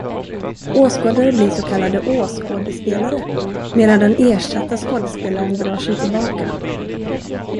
Åskådare blir så kallade ”å-skådespelare”, medan den ersatta skådespelaren drar sig tillbaka.